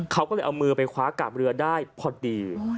เขาก็เลยเอามือไปคว้ากาบเรือได้พอดี